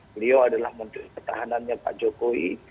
beliau adalah menteri pertahanannya pak jokowi